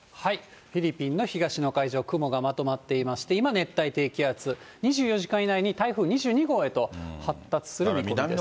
フィリピンの東の海上、雲がまとまっていまして、今、熱帯低気圧、２４時間以内に台風２２号へと発達する見込みです。